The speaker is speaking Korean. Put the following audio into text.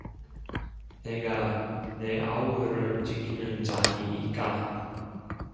내가 내 아우를 지키는 자니이까